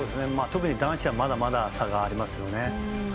特に男子はまだまだ差がありますよね。